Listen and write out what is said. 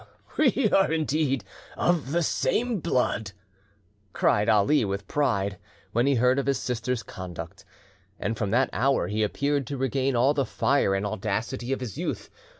"We are indeed of the same blood!" cried Ali with pride, when he heard of his sister's conduct; and from that hour he appeared to regain all the fire and audacity of his youth.